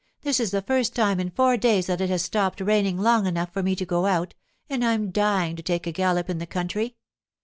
This is the first time in four days that it has stopped raining long enough for me to go out, and I'm dying to take a gallop in the country.